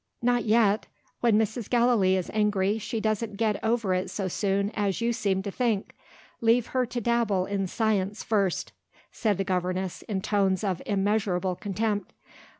Not yet! When Mrs. Gallilee is angry, she doesn't get over it so soon as you seem to think. Leave her to dabble in science first," said the governess in tones of immeasurable contempt.